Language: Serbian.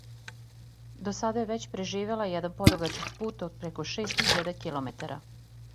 До сада је већ преживела један подугачак пут од преко шест хиљада километара.